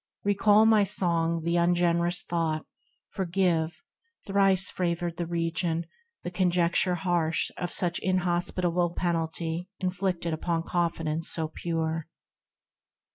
Recall, my song, the ungenerous thought ; forgive, THE RECLUSE 19 Thrice favoured Region, the conjecture harsh Of such inhospitable penalty Inflicted upon confidence so pure.